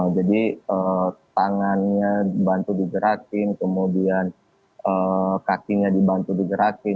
jadi tangannya dibantu digerakin kemudian kakinya dibantu digerakin